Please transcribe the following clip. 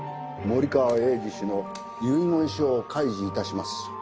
「森川栄治氏の遺言書を開示いたします」